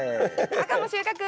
赤も収穫。